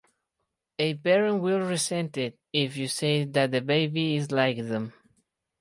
A parent will resent it if you say that the baby is like them.